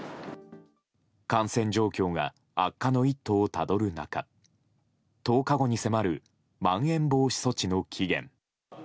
感染状況が悪化の一途をたどる中１０日後に迫るまん延防止措置の期限。